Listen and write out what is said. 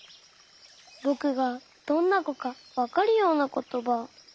ぼくがどんなこかわかるようなことば。